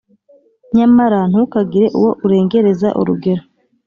Nyamara ntukagire uwo urengereza urugero,